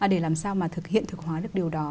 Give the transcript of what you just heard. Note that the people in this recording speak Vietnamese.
để làm sao mà thực hiện thực hóa được điều đó